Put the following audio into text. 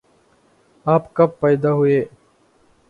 آپ کب پیدا ہوئے